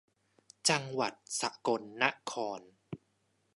จังหวัดสกลนคร